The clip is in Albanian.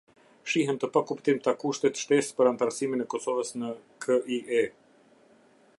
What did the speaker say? Shihen të pakuptimta kushtet shtesë për anëtarësimin e Kosovës në KiE.